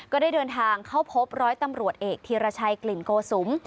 ก็ได้เดินทางเข้าพบร้อยตำรวจเอกธีรชัยกลิ่นโกสุม